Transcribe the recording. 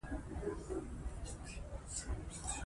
هوا د افغانستان د طبیعي زیرمو برخه ده.